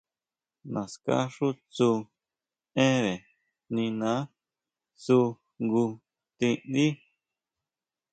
Naská xu tsú énnre niná tsú jngu ti ndí.